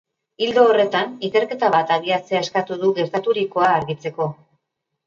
Ildo horretan, ikerketa bat abiatzea eskatu du gertaturikoa argitzeko.